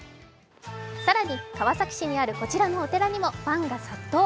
更に、川崎市にあるこちらのお寺にもファンが殺到。